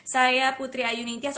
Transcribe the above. saya putri ayuni intias